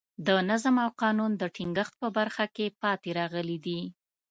د نظم او قانون د ټینګښت په برخه کې پاتې راغلي دي.